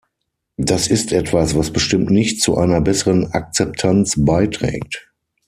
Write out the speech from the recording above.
Das ist etwas, was bestimmt nicht zu einer besseren Akzeptanz beiträgt.